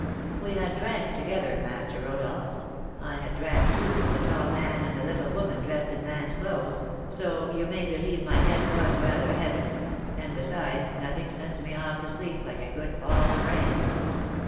"We had drank together, Master Rodolph; I had drank, too, with the tall man and the little woman dressed in man's clothes, so you may believe my head was rather heavy, and, besides, nothing sends me off to sleep like a good fall of rain.